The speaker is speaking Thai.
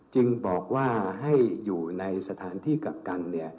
จึงบอกว่าให้อยู่ในสถานที่กักกัน